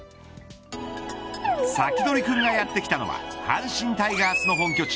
サキドリくんがやって来たのは阪神タイガースの本拠地